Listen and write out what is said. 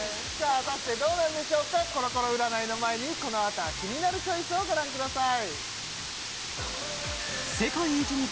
果たしてどうなんでしょうかコロコロ占いの前にこのあとは「キニナルチョイス」をご覧ください